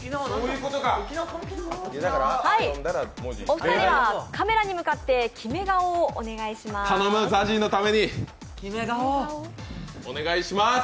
お二人はカメラに向かってキメ顔をお願いします。